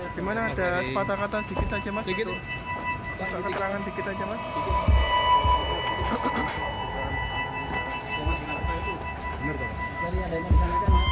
di mana ada sepatah kata sedikit aja masih gitu